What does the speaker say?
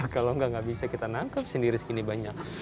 kalau nggak bisa kita nangkep sendiri segini banyak